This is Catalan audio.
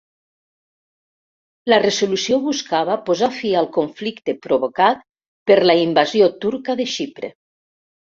La resolució buscava posar fi al conflicte provocat per la invasió turca de Xipre.